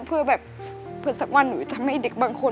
เพื่อสักวันหนูจะทำให้เด็กบางคน